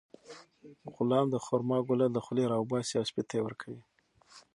غلام د خورما ګوله له خولې راوباسي او سپي ته یې ورکوي.